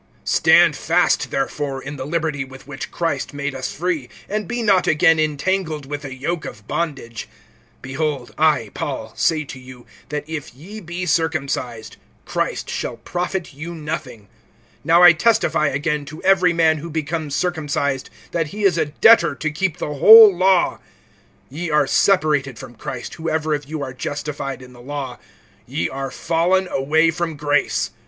STAND fast, therefore, in the liberty with which Christ made us free, and be not again entangled with the yoke of bondage. (2)Behold, I, Paul, say to you, that if ye be circumcised, Christ shall profit you nothing. (3)Now I testify again to every man who becomes circumcised, that he is a debtor to keep the whole law. (4)Ye are separated from Christ, whoever of you are justified in the law; ye are fallen away from grace.